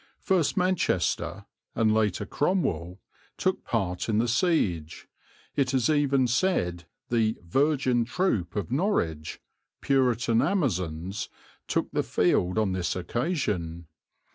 First Manchester, and later Cromwell, took part in the siege; it is even said the "Virgin Troop" of Norwich, Puritan Amazons, took the field on this occasion.